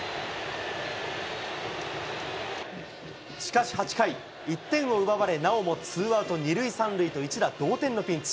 しかし８回、１点を奪われ、なおも２塁３塁と一打同点のピンチ。